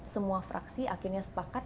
semua fraksi akhirnya sepakat